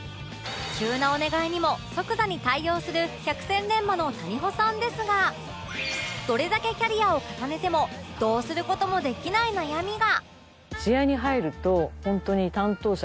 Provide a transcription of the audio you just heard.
急なお願いにも即座に対応する百戦錬磨の谷保さんですがどれだけキャリアを重ねてもどうする事もできない悩みが